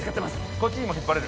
こっちにも引っ張れる？